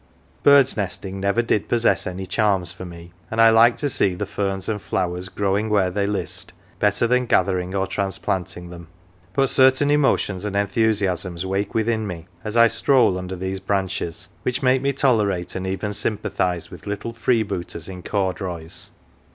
Birds nesting never did possess any charms for me, and I like to see the ferns and flowers growing where they list better than gathering or transplanting them ; but certain emotions and enthu siasms wake within me as I stroll under these branches 174 OF THE WALL which make me tolerate and even sympathise with little freebooters in corduroys.